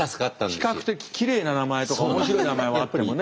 比較的きれいな名前とか面白い名前はあってもね。